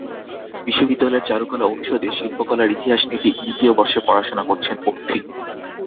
বিশ্ববিদ্যালয়ের চারুকলা অনুষদে শিল্পকলার ইতিহাস নিয়ে দ্বিতীয় বর্ষে পড়াশোনা করছেন অর্থী।